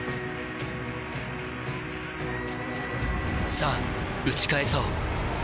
さぁ打ち返そう